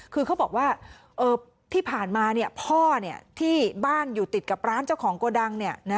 คือเขาบอกว่าที่ผ่านมาพ่อที่บ้านอยู่ติดกับร้านเจ้าของโกดัง